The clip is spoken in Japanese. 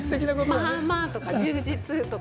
「まあまあ」とか「充実」とか。